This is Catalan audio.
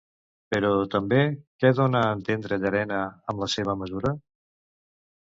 Però també què dona a entendre Llarena amb la seva mesura?